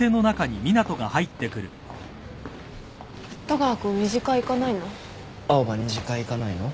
戸川君２次会行かないの？